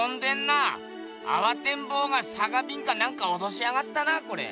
あわてんぼうがさかびんかなんかおとしやがったなこれ！